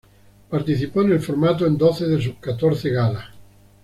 Participó en el formato en doce de sus catorce galas.